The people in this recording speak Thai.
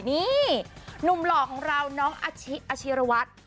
นี่หนุ่มหล่อของเราน้องอาชิอาชิรวัตร